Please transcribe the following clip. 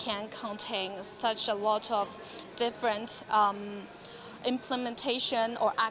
yang dapat mengandungi banyak pelan pelan atau pelan pelan yang berbeda